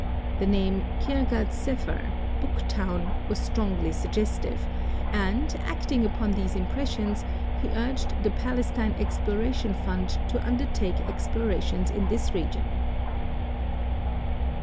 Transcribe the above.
The name Kirgath Sepher, "Book Town," was strongly suggestive, and acting upon these impressions he urged the Palestine Exploration Fund to undertake explorations in this region.